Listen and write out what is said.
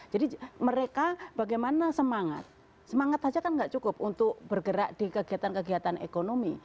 jadi mereka bagaimana semangat semangat saja kan tidak cukup untuk bergerak di kegiatan kegiatan ekonomi